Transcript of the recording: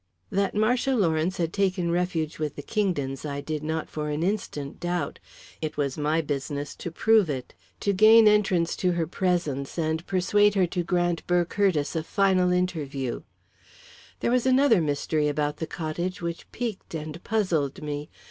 That Marcia Lawrence had taken refuge with the Kingdons, I did not for an instant doubt; it was my business to prove it to gain entrance to her presence and persuade her to grant Burr Curtiss a final interview. There was another mystery about the cottage which piqued and puzzled me.